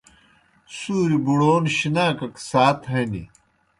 سُوریْ بُڑَون شِناکَک سات ہنیْ۔